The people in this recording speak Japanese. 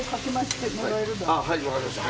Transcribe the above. はいわかりました。